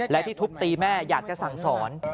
และที่ทุบตีแม่อยากจะสั่งสอน